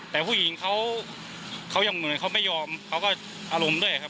แต่ผู้หญิงเขายังเหมือนเขาไม่ยอมเขาก็อารมณ์ด้วยครับ